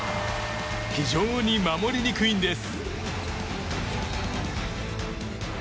非常に守りにくいんです。